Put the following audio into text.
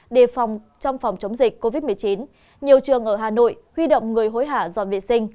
đề phòng trong phòng chống dịch covid một mươi chín nhiều trường ở hà nội huy động người hối hả dọn vệ sinh